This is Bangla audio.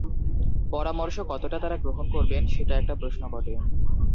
পরামর্শ কতটা তাঁরা গ্রহণ করবেন, সেটা একটা প্রশ্ন বটে।